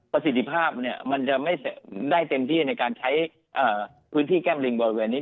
สิทธิภาพมันจะไม่ได้เต็มที่ในการใช้พื้นที่แก้มลิงบริเวณนี้